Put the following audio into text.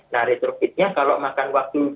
nah retrofitnya kalau makan waktu